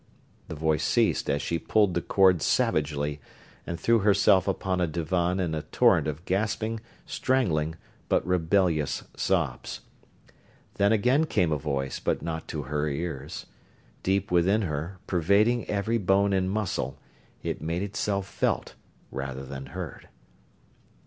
The voice ceased as she pulled the cord savagely and threw herself upon a divan in a torrent of gasping, strangling, but rebellious sobs. Then again came a voice, but not to her ears. Deep within her, pervading every bone and muscle, it made itself felt rather than heard.